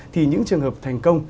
thì những trường hợp thành công